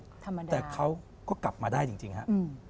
ธรรมดาครับอเจมส์แต่เขาก็กลับมาได้จริงฮะ